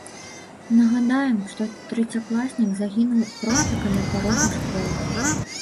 Нагадаем, што трэцякласнік загінуў проста каля парога школы.